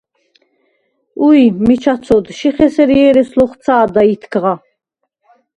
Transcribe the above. –უ̄ჲ, მიჩა ცოდ, შიხ ესერ ერე̄ს ლოხუ̂ცა̄და ითქღა!